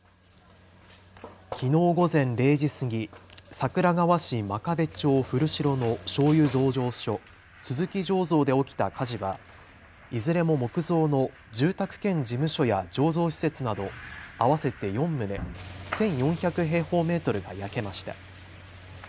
きのう午前０時過ぎ、桜川市真壁町古城のしょうゆ醸造所、鈴木醸造で起きた火事はいずれも木造の住宅兼事務所や醸造施設など合わせて４棟１４００平方メートルが焼けました。